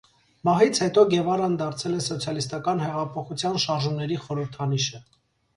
Մահից հետո Գևարան դարձել է սոցիալիստական հեղափոխության շարժումների խորհրդանիշը։